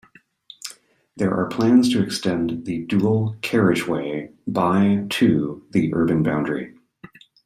There are plans to extend the dual carriageway by to the urban boundary.